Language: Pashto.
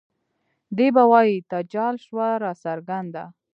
دے به وائي تجال شوه راڅرګنده